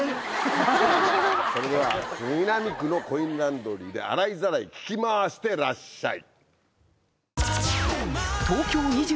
それでは杉並区のコインランドリーで洗いざらい聞き回してらっしゃい。